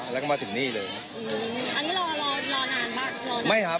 แล้วก็มาถึงนี่เลยอันนี้รอรอนานมากรอนานไม่ครับ